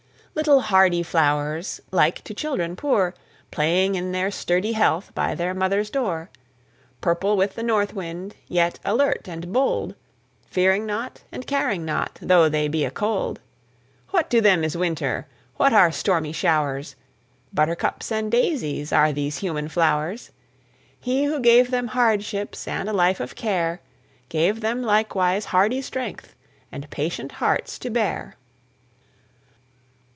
Little hardy flowers, Like to children poor, Playing in their sturdy health By their mother's door, Purple with the north wind, Yet alert and bold; Fearing not, and caring not, Though they be a cold! What to them is winter! What are stormy showers! Buttercups and daisies Are these human flowers! He who gave them hardships And a life of care, Gave them likewise hardy strength And patient hearts to bear.